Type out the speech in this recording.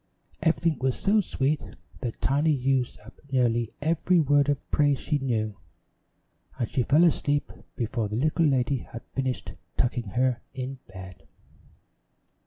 Everything was so sweet that Tiny used up nearly every word of praise she knew, and she fell asleep before the little lady had finished tucking her in bed.